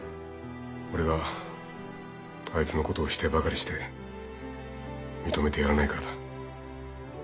俺があいつのことを否定ばかりして認めてやらないからだ。